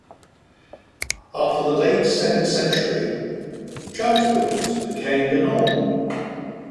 After the late second century, church buildings became the norm.